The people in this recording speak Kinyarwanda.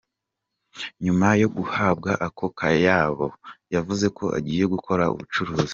Nyuma yo guhabwa ako kayabo, yavuze ko agiye gukora ubucuruzi.